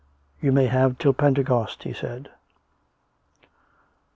" You may have till Pentecost," he said.